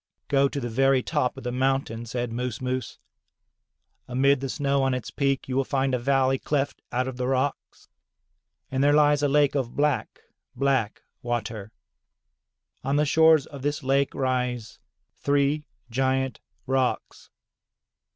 "Go to the very top of the mountain," said Moos Moos. "Amid the snow on its peak you will find a valley cleft out of the rocks, and there lies a lake of black, black water. On the shores of this lake rise three giant rocks.